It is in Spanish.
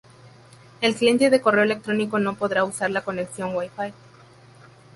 El cliente de correo electrónico no podrá usar la conexión Wi-Fi.